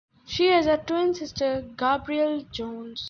She has a twin sister, Gabrielle Jones.